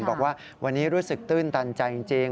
บอกว่าวันนี้รู้สึกตื้นตันใจจริง